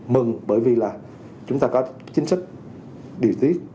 mừng bởi vì là chúng ta có chính sách điều tiết